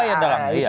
siapa yang dalam